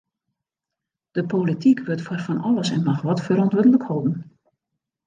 De polityk wurdt foar fan alles en noch wat ferantwurdlik holden.